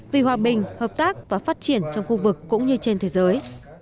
vì hòa bình hợp tác và phát triển trong khu vực cũng như trên thế giới